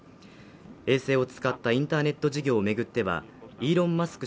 衛星を使ったインターネット事業をめぐってはイーロン・マスク